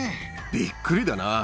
びっくりだな。